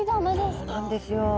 そうなんですよ。